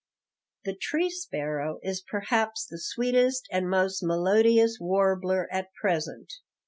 "The tree sparrow is perhaps the sweetest and most melodious warbler at present."